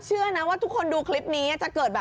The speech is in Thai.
แจ้งตัวตัวแล้วแล้วจะไม่ทัน